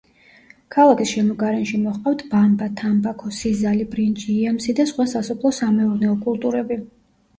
ქალაქის შემოგარენში მოჰყავთ ბამბა, თამბაქო, სიზალი, ბრინჯი, იამსი და სხვა სასოფლო-სამეურნეო კულტურები.